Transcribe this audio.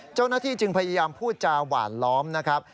เจ้าหน้าที่จึงพยายามพูดจาหวานล้อมนะครับ